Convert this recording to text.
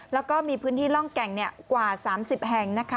แล้วก็มีพื้นที่ร่องแก่งกว่า๓๐แห่งนะคะ